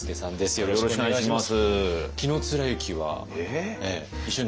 よろしくお願いします。